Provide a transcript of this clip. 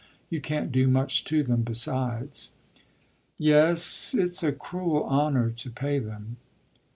You can't do much to them besides." "Yes, it's a cruel honour to pay them."